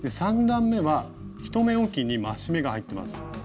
３段めは１目おきに増し目が入っています。